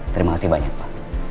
terima kasih banyak pak